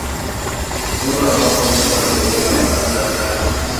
Beraue ambapo ndipo alipojenga makazi yake hadi hivi sasa